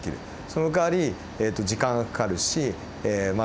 そのかわり時間がかかるしま